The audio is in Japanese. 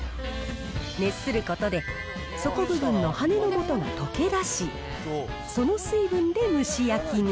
熱することで、底部分の羽根の素が溶けだし、その水分で蒸し焼きに。